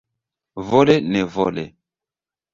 Vole nevole.